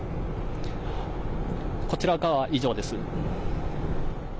こちらからは以上です。